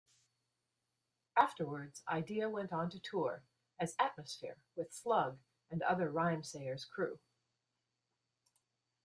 Afterwards, Eyedea went on to tour as Atmosphere with Slug and other Rhymesayers crew.